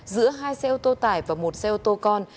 giữa hai xe ô tô tải và một xe ô tô con